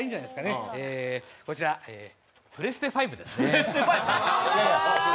こちらプレステ５ですね。